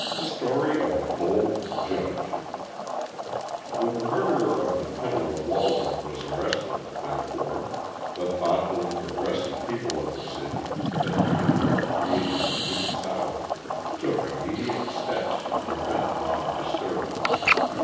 Story of a Bold Judge When the murderer of the peddler Waldrop was arrested, therefore, the thoughtful and progressive people of the city the kind who are creating the New South took immediate steps to prevent mob disturbance.